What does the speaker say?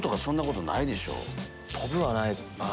飛ぶはない。